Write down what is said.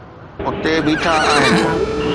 اٿي بيٺا آهن.